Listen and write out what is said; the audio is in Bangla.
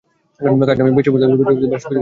কাজটা আমি করতে পারলে খুশী হতাম, বেশ করেছে চড় মেরে!